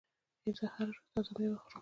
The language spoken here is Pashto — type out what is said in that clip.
زه هره ورځ تازه میوه خورم.